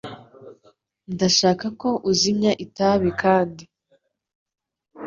Ndashaka ko uzimya itabi kandi.